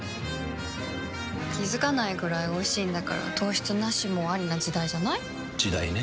気付かないくらいおいしいんだから糖質ナシもアリな時代じゃない？時代ね。